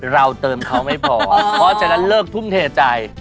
เราเติมเขาไม่พอเพราะฉะนั้นเลิกทุ่มเทใจ